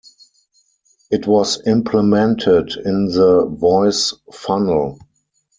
It was implemented in the Voice Funnel.